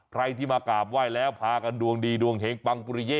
ใครที่มากราบไหว้แล้วพากันดวงดีดวงเฮงปังปุริเย่